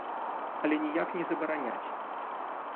Але ніяк не забараняць.